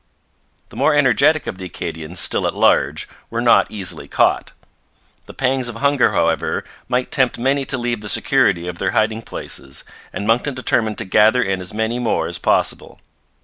The more energetic of the Acadians still at large were not easily caught. The pangs of hunger, however, might tempt many to leave the security of their hiding places, and Monckton determined to gather in as many more as possible.